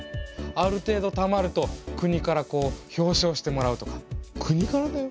ある程度たまると国から表彰してもらうとか。国からだよ。